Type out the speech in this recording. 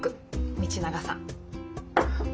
道永さん。